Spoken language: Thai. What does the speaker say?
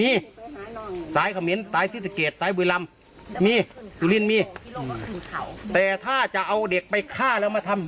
มีสายขมินสายสิทธิเกษสายบุยรำมีสุรินมีแต่ถ้าจะเอาเด็กไปฆ่าแล้วมาทำ